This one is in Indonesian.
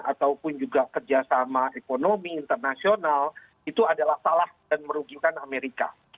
ataupun juga kerjasama ekonomi internasional itu adalah salah dan merugikan amerika